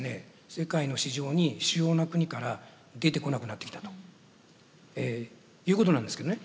世界の市場に主要な国から出てこなくなってきたということなんですけどね。